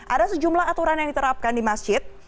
ada sejumlah aturan yang diterapkan di masjid